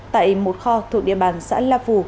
tại một kho thuộc địa bàn xã la phù